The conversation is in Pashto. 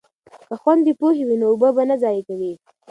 که خویندې پوهې وي نو اوبه به نه ضایع کوي.